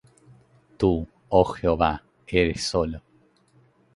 Tú, oh Jehová, eres solo;